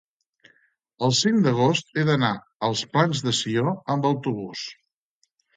el cinc d'agost he d'anar als Plans de Sió amb autobús.